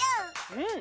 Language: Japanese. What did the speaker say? うん！